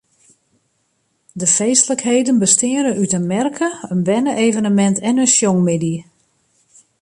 De feestlikheden besteane út in merke, in berne-evenemint en in sjongmiddei.